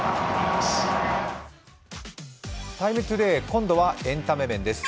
「ＴＩＭＥ，ＴＯＤＡＹ」今度はエンタメ面です。